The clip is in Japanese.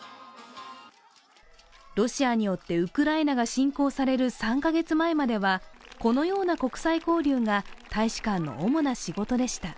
ロシアによってウクライナが侵攻される３カ月前まではこのような国際交流が大使館の主な仕事でした。